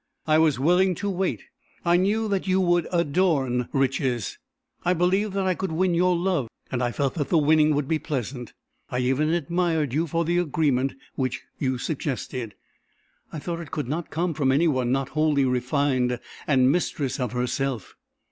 I was willing to wait. I knew that you would adorn riches; I believed that I could win your love, and I felt that the winning would be pleasant. I even admired you for the agreement which you suggested. I thought it could not come from any one not wholly refined and mistress of herself.